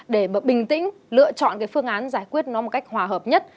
để bình tĩnh lựa chọn cái phương án giải quyết nó một cách hòa hợp nhất